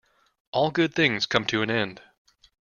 All good things come to an end.